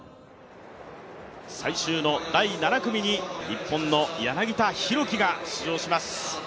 最終の第７組に日本の柳田大輝が出場します。